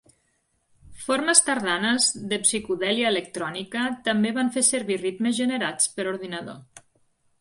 Formes tardanes de psicodèlia electrònica també van fer servir ritmes generats per ordinador.